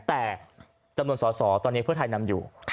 แต่จำนวนสอสอตอนนี้เพื่อไทยนำอยู่